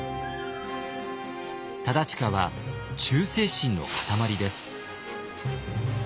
忠隣は忠誠心の塊です。